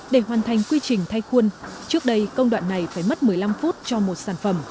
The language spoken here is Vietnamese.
để hoàn thành quy trình thay khuôn trước đây công đoạn này phải mất một mươi năm phút cho một sản phẩm